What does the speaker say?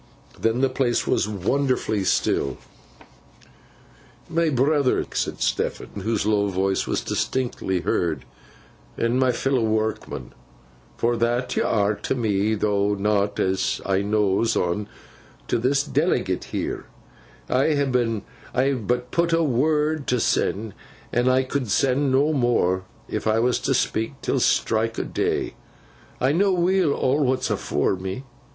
Then the place was wonderfully still. 'My brothers,' said Stephen, whose low voice was distinctly heard, 'and my fellow workmen—for that yo are to me, though not, as I knows on, to this delegate here—I ha but a word to sen, and I could sen nommore if I was to speak till Strike o' day. I know weel, aw what's afore me.